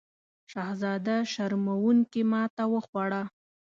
شهزاده شرموونکې ماته وخوړه.